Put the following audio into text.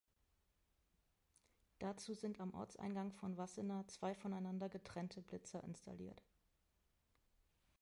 Dazu sind am Ortseingang von Wassenaar zwei voneinander getrennte Blitzer installiert.